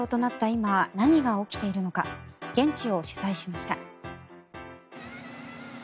今何が起きているのか現地を取材しました。